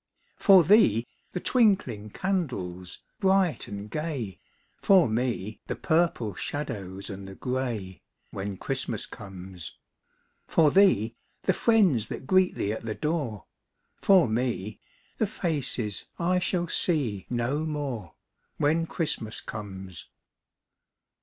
For thee, the twinkling candles bright and gay, For me, the purple shadows and the grey, When Christmas comes. For thee, the friends that greet thee at the door, For me, the faces I shall see no more, When Christmas comes.